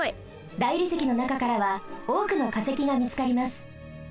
大理石のなかからはおおくのかせきがみつかります。